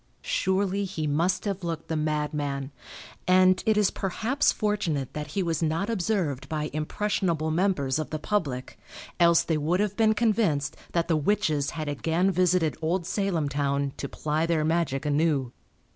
Surely he must have looked the madman, and it is perhaps fortunate that he was not observed by impressionable members of the public else they would have been convinced that the witches had again visited old Salem town to ply their magic anew.